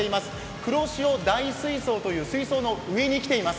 黒潮大水槽という水槽の上に来ています。